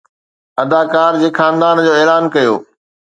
اداڪار جي خاندان جو اعلان ڪيو